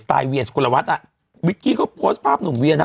สไตล์เวียสกุลวัดอ่ะวิกกี้ก็โพสต์ภาพหนุ่มเวียนะ